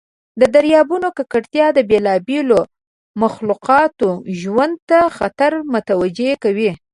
د دریابونو ککړتیا د بیلابیلو مخلوقاتو ژوند ته خطر متوجه کوي.